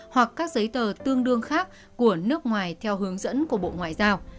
hoặc các giấy tờ tương đương khác của nước ngoài theo hướng dẫn của bộ ngoại giao